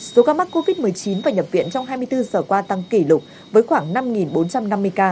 số ca mắc covid một mươi chín và nhập viện trong hai mươi bốn giờ qua tăng kỷ lục với khoảng năm bốn trăm năm mươi ca